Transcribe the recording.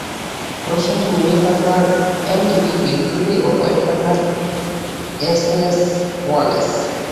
অনুষ্ঠানটির media partner NTV, Radio Today এবং web partner SSL wireless.